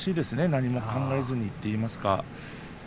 何も考えずにといいますか。